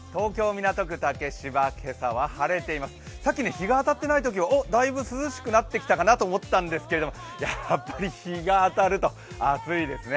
さっき日が当たっていないときはだいぶ涼しくなってきたかなと思っていたんですけどやっぱり日が当たると暑いですね。